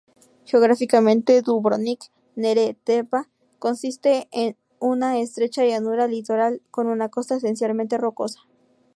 Geográficamente, Dubrovnik-Neretva consiste de una estrecha llanura litoral con una costa esencialmente rocosa.